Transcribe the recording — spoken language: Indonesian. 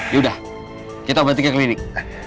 yaudah kita obat di kek klinik